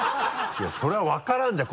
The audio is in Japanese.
いやそれは分からんじゃん